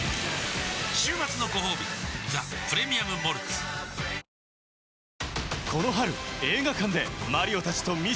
週末のごほうび「ザ・プレミアム・モルツ」［淡谷のり子］